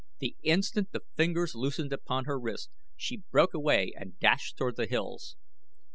The instant the fingers loosened upon her wrist she broke away and dashed toward the hills.